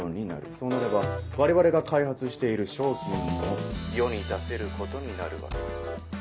そうなれば我々が開発している商品も世に出せることになるわけです。